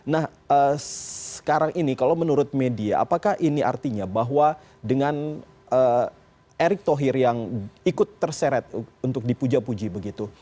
nah sekarang ini kalau menurut media apakah ini artinya bahwa dengan erick thohir yang ikut terseret untuk dipuja puji begitu